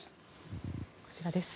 こちらです。